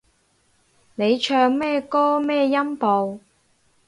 你唱咩歌咩音部